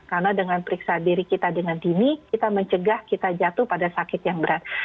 karena dengan periksa diri kita dengan dini kita mencegah kita jatuh pada sakit yang berat